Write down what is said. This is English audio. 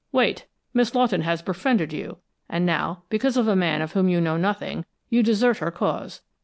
"Wait! Miss Lawton has befriended you, and now, because of a man of whom you know nothing, you desert her cause.